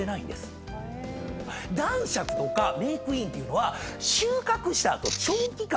男爵とかメークインっていうのは収穫した後長期間